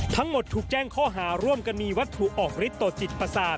ทั้งหมดถูกแจ้งข้อหาร่วมกันมีวัตถุออกฤทธิต่อจิตประสาท